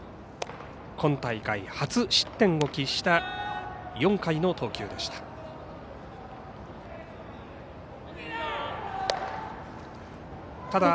今大会、初失点を喫した４回の投球でした。